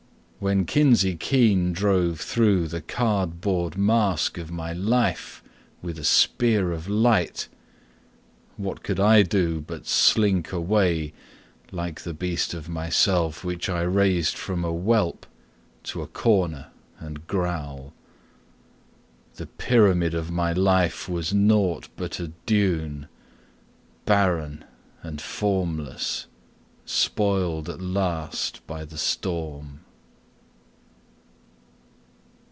When Kinsey Keene drove through The card board mask of my life with a spear of light, What could I do but slink away, like the beast of myself Which I raised from a whelp, to a corner and growl? The pyramid of my life was nought but a dune, Barren and formless, spoiled at last by the storm.